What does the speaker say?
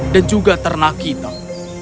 dan juga tanaman